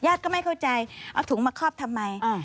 ก็ไม่เข้าใจเอาถุงมาคอบทำไม